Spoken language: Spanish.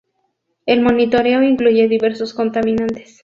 El monitoreo incluye diversos contaminantes.